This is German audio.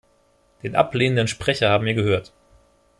Den ablehnenden Sprecher haben wir gehört.